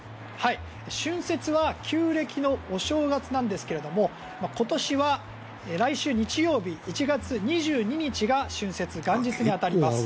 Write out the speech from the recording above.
春節は旧暦のお正月なんですけれども今年は来週日曜日、１月２２日が春節、元日に当たります。